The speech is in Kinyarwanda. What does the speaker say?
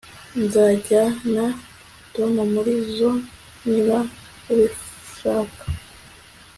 Nzajyana Tom muri zoo niba ubishaka